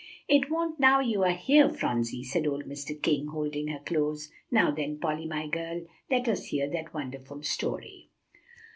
"It won't now you are here, Phronsie," said old Mr. King, holding her close. "Now, then, Polly, my girl, let us hear that wonderful story."